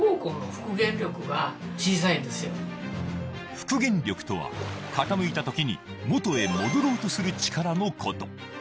復原力とは傾いた時に元へ戻ろうとする力のこと